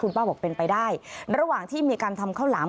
ป้าบอกเป็นไปได้ระหว่างที่มีการทำข้าวหลาม